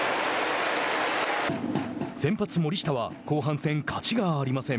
先発森下は後半戦勝ちがありません。